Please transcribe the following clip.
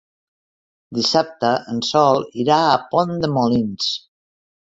Dissabte en Sol irà a Pont de Molins.